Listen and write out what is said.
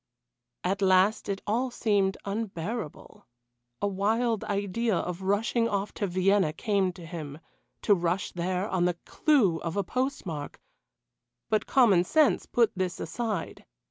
At last it all seemed unbearable. A wild idea of rushing off to Vienna came to him to rush there on the clue of a postmark but common sense put this aside.